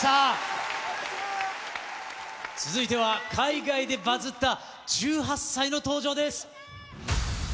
続いては海外でバズった１８歳の登場です。